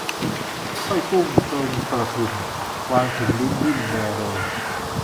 ก้อยกุ้งปรุงประทิ่น วางถึงลิ้นดิ้นแดโดย